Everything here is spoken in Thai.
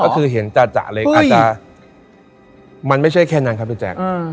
ก็คือเห็นจ่ะเล็กอาจจะมันไม่ใช่แค่นั้นครับพี่แจ๊ค